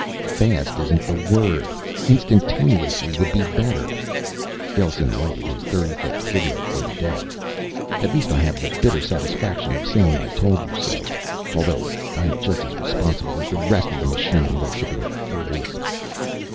"Fast isn't the word. Instantaneously would be better." Gelsen lighted his thirty fifth cigarette for the day. "At least I have the bitter satisfaction of saying, 'I told you so.' Although I'm just as responsible as the rest of the machine worshipping fools."